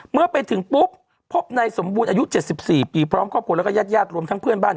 เมื่อไปถึงปุ๊บพบนายสมบูรณ์อายุ๗๔ปีพร้อมครอบครัวแล้วก็ญาติญาติรวมทั้งเพื่อนบ้าน